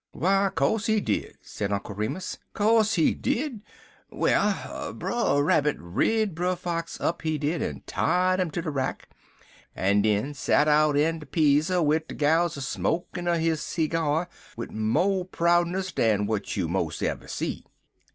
"W'y co'se he did," said Uncle Remus. "C'ose he did. Well, Brer Rabbit rid Brer Fox up, he did, en tied 'im to de rack, en den sot out in de peazzer wid de gals a smokin' er his seegyar wid mo' proudness dan w'at you mos' ever see.